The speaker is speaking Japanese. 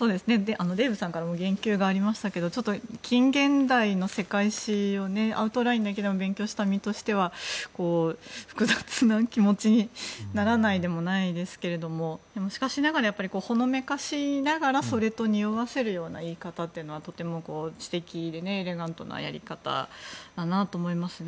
デーブさんからも言及がありましたけど近現代の世界史をアウトラインだけでも勉強した身としては複雑な気持ちにならないでもないですけどしかしながら、ほのめかしながらそれとにおわせるような言い方というのは、とても知的でエレガントなやり方だなと思いますね。